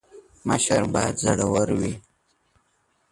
مشر باید زړه ور وي